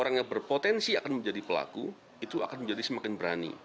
orang yang berpotensi akan menjadi pelaku itu akan menjadi semakin berani